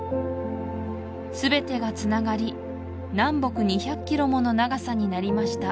全てがつながり南北２００ｋｍもの長さになりました